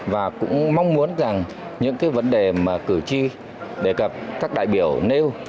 và cũng mong muốn rằng những cái vấn đề mà cử tri đề cập các đại biểu nêu